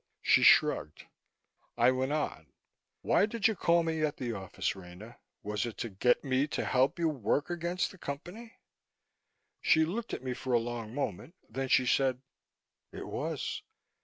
She shrugged. I went on: "Why did you call me at the office, Rena? Was it to get me to help you work against the Company?" She looked at me for a long moment. Then she said: "It was.